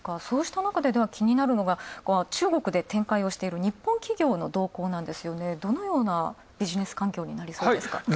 そうしたなかで気になるのが中国で展開をしている日本企業の動向なんですが、どのようなビジネス環境になりそうですか。